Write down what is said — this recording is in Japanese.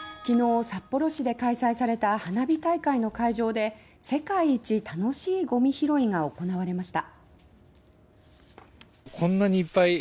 昨日札幌市で開催された花火大会の会場で「世界一楽しいゴミ拾い」が行われました。